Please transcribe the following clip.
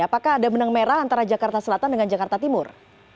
apakah ada benang merah antara jakarta selatan dengan jakarta timur